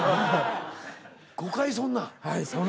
５回「そんなん」？